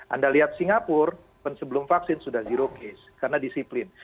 anda lihat singapura sebelum vaksin sudah zero case karena disiplin